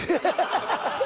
フハハハハ！